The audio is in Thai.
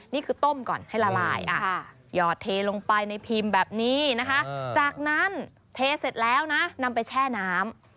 นี่คือต้มก่อนให้ละลายหยอดเทลงไปในพิมพ์แบบนี้นะคะจากนั้นเทเสร็จแล้วนะนำไปแช่น้ำ